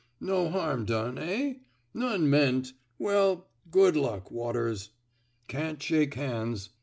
*' No harm done, eh! None meant. ... Well, good luck. Waters. Can't shake hands.